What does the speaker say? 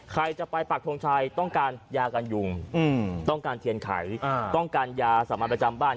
ใครจะไปปักทงชัยต้องการยากันยุงต้องการเทียนไขต้องการยาสามัญประจำบ้าน